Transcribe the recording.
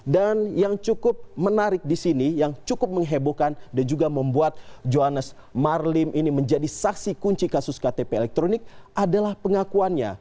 dan yang cukup menarik disini yang cukup mengebohkan dan juga membuat johannes marlim ini menjadi saksi kunci kasus ktp elektronik adalah pengakuannya